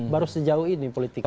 baru sejauh ini politik